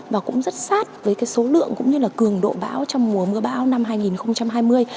và cũng rất sát với cái số lượng cũng như là cường độ báo trong mùa mưa báo năm hai nghìn hai mươi